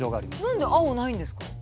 何で青ないんですか？